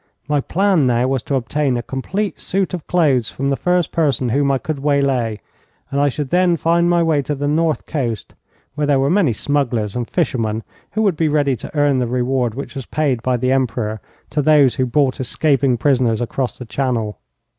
My plan now was to obtain a complete suit of clothes from the first person whom I could waylay, and I should then find my way to the north coast, where there were many smugglers and fishermen who would be ready to earn the reward which was paid by the Emperor to those who brought escaping prisoners across the Channel.